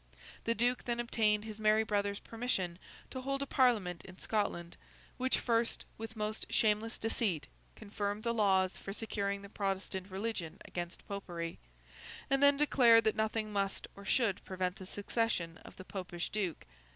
The Duke then obtained his merry brother's permission to hold a Parliament in Scotland, which first, with most shameless deceit, confirmed the laws for securing the Protestant religion against Popery, and then declared that nothing must or should prevent the succession of the Popish Duke.